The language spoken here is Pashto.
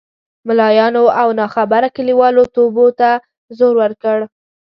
ملایانو او ناخبره کلیوالو توبو ته زور ورکړ.